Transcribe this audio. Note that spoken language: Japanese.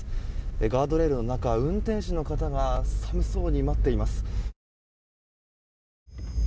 ガードレールの中運転手の方が寒そうに待っています。